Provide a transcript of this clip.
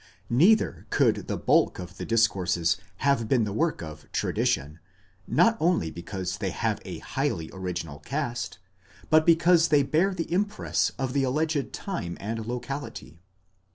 Neither could the bulk of the discourses have been the work of tradition, not only because they have a highly original cast, but because they bear the impress of the alleged time and locality.